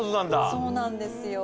そうなんですよ。